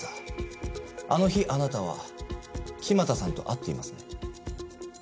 あの日あなたは木俣さんと会っていますね？